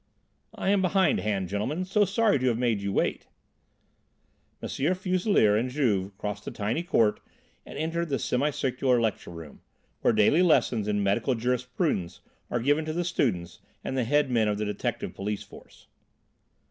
"I am behind hand, gentlemen. So sorry to have made you wait." M. Fuselier and Juve crossed the tiny court and entered the semi circular lecture room, where daily lessons in medical jurisprudence are given to the students and the head men of the detective police force.